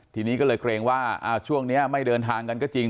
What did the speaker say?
ทีนี้ก็เลยเกรงว่าช่วงนี้ไม่เดินทางกันก็จริง